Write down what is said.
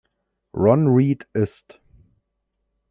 Ron Reed ist.